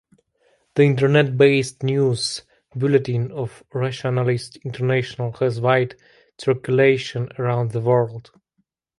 The internet-based news bulletin of Rationalist International has wide circulation around the world.